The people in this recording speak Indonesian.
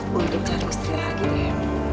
buat ikut istri lagi deh